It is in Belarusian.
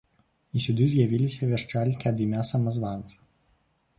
І сюды з'явіліся вяшчальнікі ад імя самазванца.